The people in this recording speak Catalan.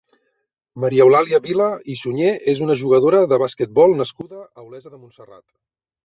Maria Eulàlia Vila i Sunyer és una jugadora de basquetbol nascuda a Olesa de Montserrat.